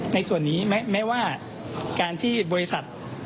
ในส่วนนี้แม้ว่าการที่บริษัท